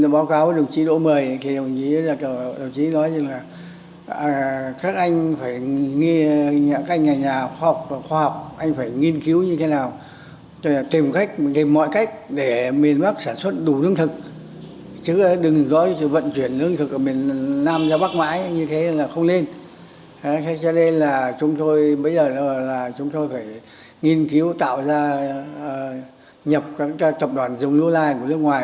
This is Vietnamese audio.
bây giờ là chúng tôi phải nghiên cứu tạo ra nhập các tập đoàn giống lưu lai của nước ngoài